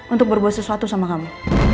untuk berbuat sesuatu sama kamu